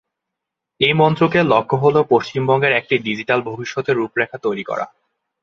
এই মন্ত্রকের লক্ষ্য হল পশ্চিমবঙ্গের একটি ডিজিটাল ভবিষ্যতের রূপরেখা তৈরি করা।